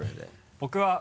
僕は。